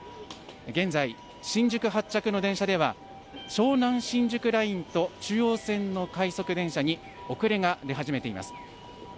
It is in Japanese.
現在、新宿発着の電車では、湘南新宿ラインと中央線の快速電車に遅れが出始めています。